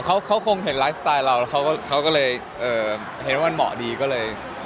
ใช่เค้าคงเห็นไลฟ์สไตล์เราเค้าก็เลยเห็นว่ามันเหมาะดีก็เลย